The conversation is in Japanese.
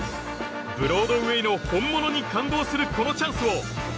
ブロードウェイの本物に感動するこのチャンスをお見逃しなく